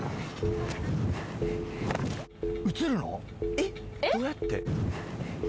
えっどうやって？